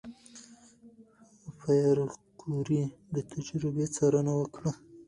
پېیر کوري د تجربې څارنه وکړه.